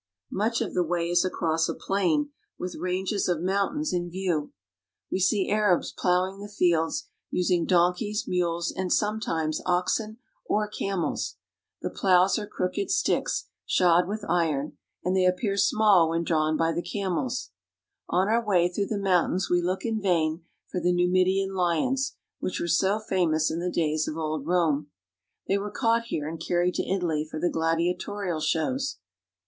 Much of the way is across a plain, with ranges of mountains in view. We see Arabs plowing the fields, using donkeys, mules, and sorae s oxen or camels. The plows are crooked sticks stwyi ^^■■^B ^ •^r ■^ ■^1' 'M^H ■m9b ''IS^I ^. 1 "They . n 46 AFRICA with iron, and they appear small when drawn by the camels. On our way through the mountains we look in vain for the Numidian lions, which were so famous in the days of old Rome. They were caught here and carried to Italy for the gladiatorial shows.